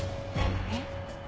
えっ？